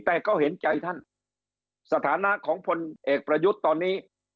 แต่ก็เห็นใจท่านสถานะของพลเอกประยุทธ์ตอนนี้